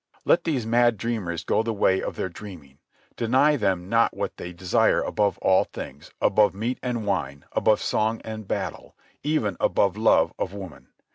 Let these mad dreamers go the way of their dreaming. Deny them not what they desire above all things, above meat and wine, above song and battle, even above love of woman.